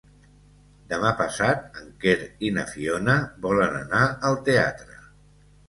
Demà passat en Quer i na Fiona volen anar al teatre.